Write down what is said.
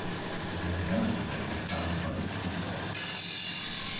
It was a vanity label founded by the Street Dogs.